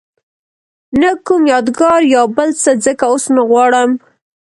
نه کوم یادګار یا بل څه ځکه اوس نه غواړم.